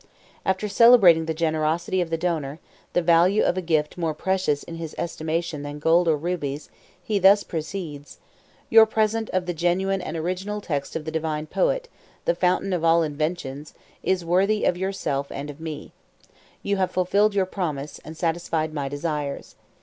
After celebrating the generosity of the donor, and the value of a gift more precious in his estimation than gold or rubies, he thus proceeds: "Your present of the genuine and original text of the divine poet, the fountain of all inventions, is worthy of yourself and of me: you have fulfilled your promise, and satisfied my desires.